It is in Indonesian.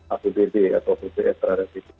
apbd atau bps terhadap itu